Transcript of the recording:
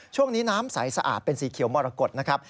ช่วงนี้น้ำใสสะอาดเป็นสีเขียวมรกฏนะครับ